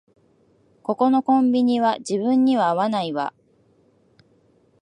ここのコンビニは自分には合わないわ